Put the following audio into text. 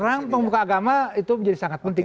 perang pemuka agama itu menjadi sangat penting